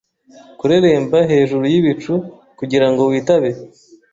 Kureremba hejuru yibicu kugirango witabe